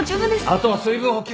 あとは水分補給。